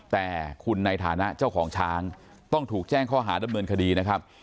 แต่คุณในฐานะเจ้าของช้างต้องถูกแจ้งข้อหาดำเนินคดีนะครับ